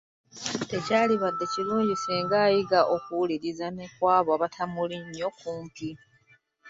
Tekyalibadde kirungi singa ayiga okuwuliriza ne kwabo abatamuli nnyo kumpi?